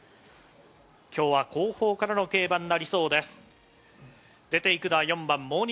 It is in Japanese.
今日は後方からの競馬になりそうです。